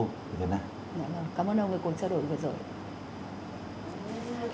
cảm ơn ông về cuộc trao đổi vừa rồi